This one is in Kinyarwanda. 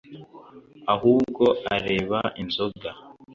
ahubwo areba inzoga